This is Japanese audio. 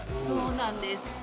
そうなんです。